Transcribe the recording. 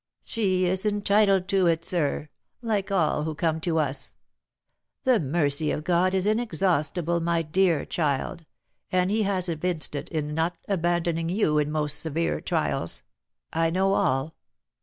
"She is entitled to it, sir, like all who come to us. The mercy of God is inexhaustible, my dear child, and he has evinced it in not abandoning you in most severe trials. I know all."